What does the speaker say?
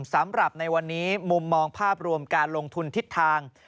สำหรับในวันนี้มุมมองภาพรวมการลงทุนทิศทาง